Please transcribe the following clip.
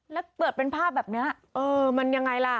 แล้วเปิดเป็นภาพแบบนี้เออมันยังไงล่ะ